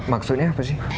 maksudnya apa sih